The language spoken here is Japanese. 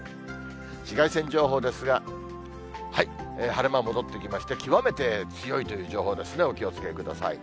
紫外線情報ですが、晴れ間戻ってきまして、極めて強いという情報ですね、お気をつけください。